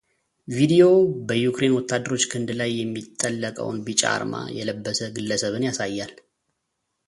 ቪዲዮው በዩክሬን ወታደሮች ክንድ ላይ የሚጠለቀውን ቢጫ አርማ የለበሰ ግለሰብንም ያሳያል።